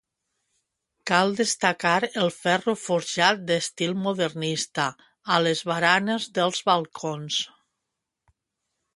Cal destacar el ferro forjat d'estil modernista a les baranes dels balcons.